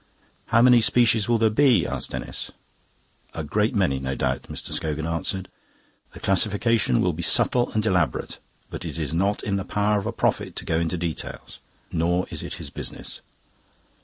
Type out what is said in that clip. "How many species will there be?" asked Denis. "A great many, no doubt," Mr. Scogan answered; "the classification will be subtle and elaborate. But it is not in the power of a prophet to go into details, nor is it his business.